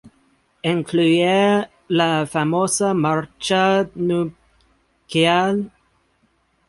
Incluye la famosa "Marcha nupcial.